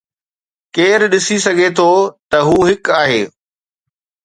ڪير ڏسي سگهي ٿو ته هو هڪ آهي؟